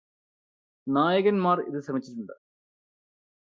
നായകന്മാർ ഇത് ശ്രമിച്ചിട്ടുണ്ട്